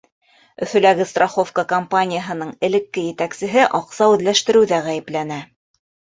Өфөләге страховка компанияһының элекке етәксеһе аҡса үҙләштереүҙә ғәйепләнә.